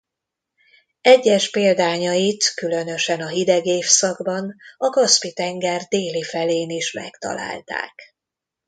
Egyes példányait különösen a hideg évszakban a Kaszpi-tenger déli felén is megtalálták.